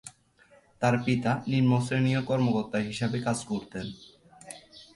তার পিতা নিম্ন শ্রেণীয় কর্মকর্তা হিসেবে কাজ করতেন।